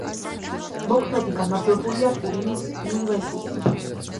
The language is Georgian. მოქმედი გამარჯვებულია ტურინის „იუვენტუსი“.